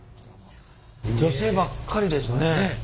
女性ばっかりですね。